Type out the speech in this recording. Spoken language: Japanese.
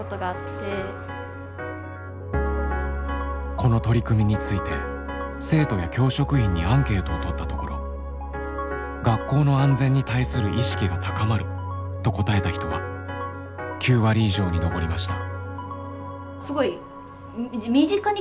この取り組みについて生徒や教職員にアンケートを取ったところ「学校の安全に対する意識が高まる」と答えた人は９割以上に上りました。